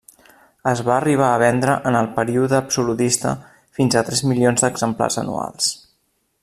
Es va arribar a vendre en el període absolutista fins a tres milions d’exemplars anuals.